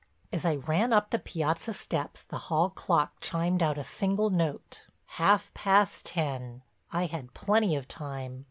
As I ran up the piazza steps the hall clock chimed out a single note, half past ten—I had plenty of time.